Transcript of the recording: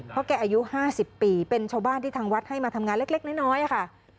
เพราะแกอายุ๕๐ปีเป็นชาวบ้านที่ทางวัดให้มาทำงานเล็กน้อยค่ะ